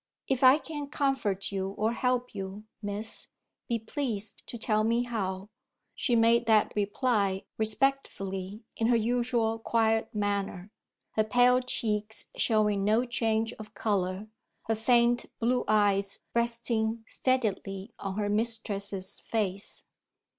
"If I can comfort you or help you, Miss, be pleased to tell me how." She made that reply respectfully, in her usual quiet manner; her pale cheeks showing no change of colour, her faint blue eyes resting steadily on her mistress's face.